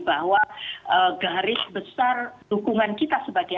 bahwa garis besar dukungan kita sebagai